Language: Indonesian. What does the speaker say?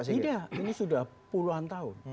tidak ini sudah puluhan tahun